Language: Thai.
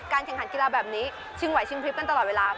แข่งขันกีฬาแบบนี้ชิงไหวชิงพริบกันตลอดเวลา